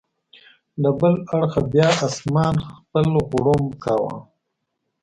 له بل اړخه به بیا اسمان خپل غړومب کاوه.